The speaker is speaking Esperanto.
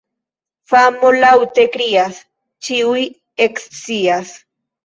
Famo laŭte krias, ĉiuj ekscias.